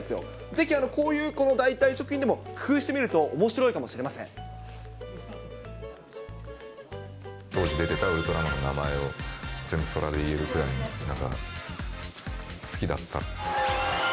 ぜひこういう代替食品でも工夫してみるとおもしろいかもしれませ当時出てたウルトラマンの名前を、全部そらで言えるくらいになんか、好きだった。